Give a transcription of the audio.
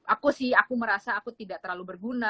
aku sih aku merasa aku tidak terlalu berguna